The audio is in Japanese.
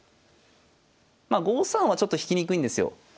まあ５三はちょっと引きにくいんですよ。